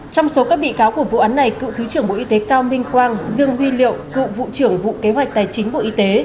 trong số các bị cáo của vụ án này cựu thứ trưởng bộ y tế cao minh quang dương huy liệu cựu vụ trưởng vụ kế hoạch tài chính bộ y tế